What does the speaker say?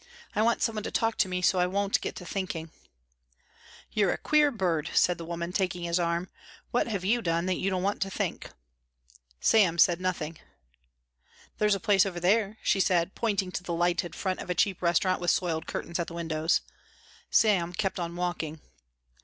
I want some one to talk to me so that I won't get to thinking." "You're a queer bird," said the woman, taking his arm. "What have you done that you don't want to think?" Sam said nothing. "There's a place over there," she said, pointing to the lighted front of a cheap restaurant with soiled curtains at the windows. Sam kept on walking.